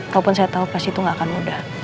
walaupun saya tahu pas itu gak akan mudah